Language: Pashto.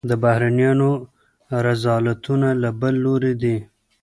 د بهرنیانو رذالتونه له بل لوري دي.